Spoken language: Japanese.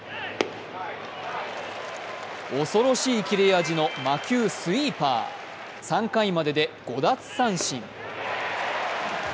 恐ろしい切れ味の魔球・スイーパー３回までで５奪三振。